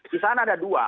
di sana ada dua